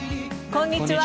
こんにちは。